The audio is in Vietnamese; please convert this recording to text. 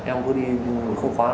em cứ đi không khóa